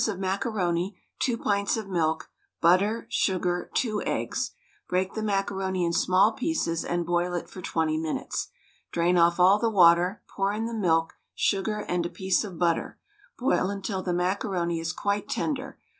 of macaroni, 2 pints of milk, butter, sugar, 2 eggs. Break the macaroni in small pieces and boil it for 20 minutes. Drain off all the water, pour in the milk, sugar, and a piece of butter. Boil until the macaroni is quite tender.